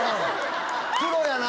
プロやな。